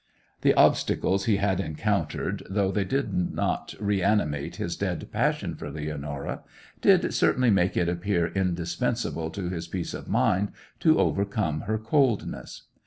The obstacles he had encountered, though they did not reanimate his dead passion for Leonora, did certainly make it appear indispensable to his peace of mind to overcome her coldness.